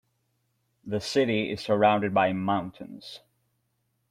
The city is surrounded by mountains.